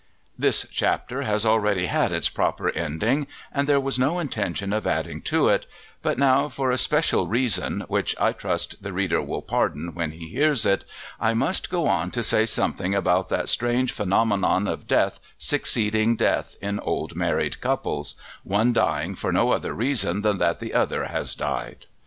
This chapter has already had its proper ending and there was no intention of adding to it, but now for a special reason, which I trust the reader will pardon when he hears it, I must go on to say something about that strange phenomenon of death succeeding death in old married couples, one dying for no other reason than that the other has died.